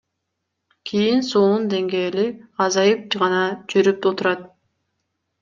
Кийин суунун деңгээли азайып гана жүрүп отурат.